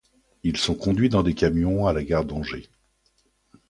Ils sont conduits dans des camions à la gare d'Angers.